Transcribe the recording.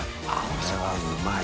これはうまい。